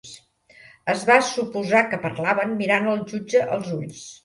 Es va suposar que parlaven mirant al jutge als ulls.